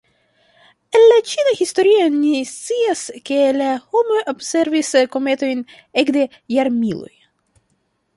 El la ĉina historio ni scias, ke la homoj observis kometojn ekde jarmiloj.